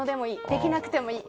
できなくてもいい。